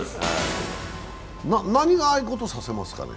何がああいうことをさせますかね？